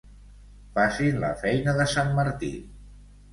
Facin la feina de sant Martí.